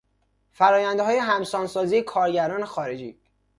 فرآیندهای همسان سازی کارگران خارجی